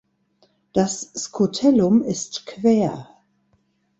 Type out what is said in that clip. Das Scutellum ist quer.